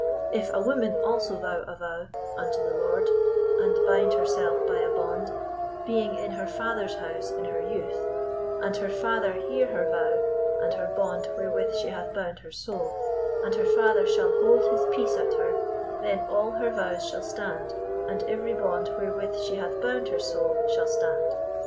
"If a woman also vow a vow unto the Lord, and bind herself by a bond, being in her father's house in her youth; And her father hear her vow, and her bond wherewith she hath bound her soul, and her father shall hold his peace at her: then all her vows shall stand, and every bond wherewith she hath bound her soul shall stand.